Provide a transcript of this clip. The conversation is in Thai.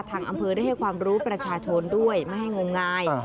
ทางอำเภอได้ให้ความรู้ประชาชนด้วยไม่ให้งมงาย